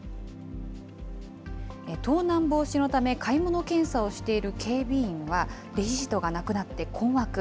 盗難防止のため、買い物検査をしている警備員は、レシートがなくなって困惑。